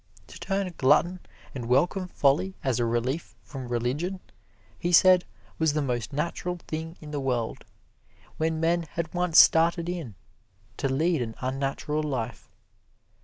To turn glutton and welcome folly as a relief from religion, he said, was the most natural thing in the world, when men had once started in to lead an unnatural life.